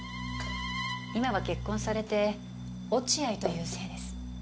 今は結婚されて落合という姓です。